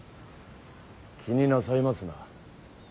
気になさいますな。